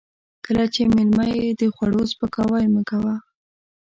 کله چې مېلمه يې د خوړو سپکاوی مه کوه.